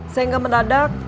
saya gak menadak